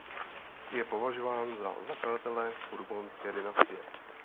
Je považován za zakladatele bourbonské dynastie.